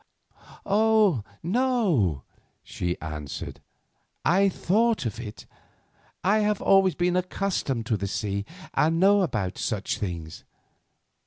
"Oh, no," she answered; "I thought of it. I have always been accustomed to the sea, and know about such things."